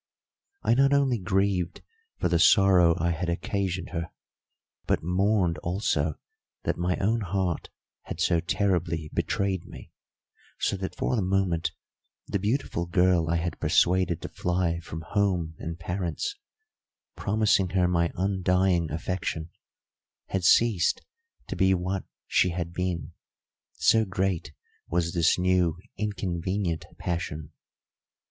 I not only grieved for the sorrow I had occasioned her, but mourned also that my own heart had so terribly betrayed me, so that for the moment the beautiful girl I had persuaded to fly from home and parents, promising her my undying affection, had ceased to be what she had been, so great was this new inconvenient passion.